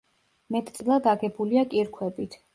მეტწილად აგებულია კირქვებით.